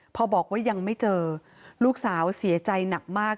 พอบอกว่ายังไม่เจอลูกสาวเสียใจหนักมาก